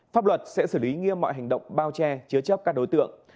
pháp luật sẽ xử lý nghiêm mọi hành động bao che chứa chấp các đối tượng